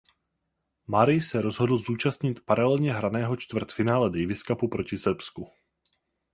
Murray se rozhodl zúčastnit paralelně hraného čtvrtfinále Davis Cupu proti Srbsku.